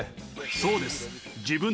そうです。